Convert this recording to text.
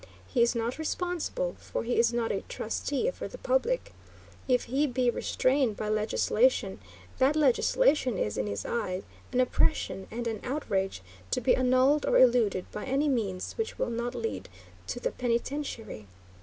He is not responsible, for he is not a trustee for the public. If he be restrained by legislation, that legislation is in his eye an oppression and an outrage, to be annulled or eluded by any means which will not lead to the penitentiary.